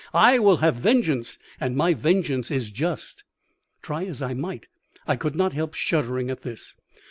I will have vengeance, and my vengeance is just.'" Try as I might, I could not help shuddering at this.